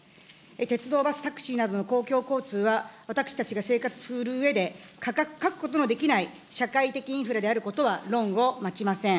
鉄道、バス、タクシーなどの公共交通は、私たちが生活するうえで、欠くことのできない社会的インフラであることは論を待ちません。